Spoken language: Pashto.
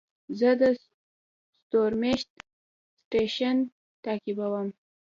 زه د ستورمېشت سټېشن تعقیبوم.